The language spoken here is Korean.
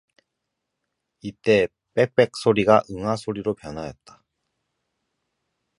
이때에 빽빽 소리가 응아 소리로 변하였다.